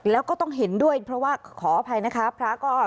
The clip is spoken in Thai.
แล้วก็ต้องเห็นด้วยเพราะว่าขออภัยนะคะพระก็